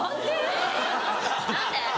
何で？